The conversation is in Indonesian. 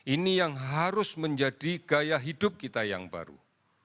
ini yang harus menjadi gaya hidup kita yang baru